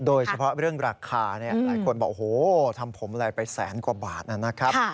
โดยเฉพาะเรื่องราคาหลายคนบอกโอ้โหทำผมอะไรไปแสนกว่าบาทนะครับ